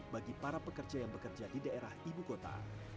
bagi para pekerja yang bekerja di daerah ibu kota